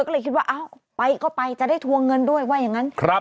ก็เลยคิดว่าอ้าวไปก็ไปจะได้ทวงเงินด้วยว่าอย่างนั้น